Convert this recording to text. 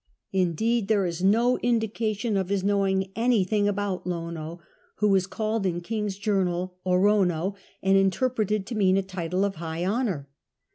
Indeed, xt THE SACRED FENCE ISl there is no indication of his knowing anything about Lono, who is called in King's journal Orono, and inter preted to mean a title of high honour.